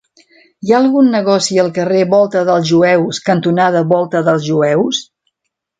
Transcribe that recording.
Hi ha algun negoci al carrer Volta dels Jueus cantonada Volta dels Jueus?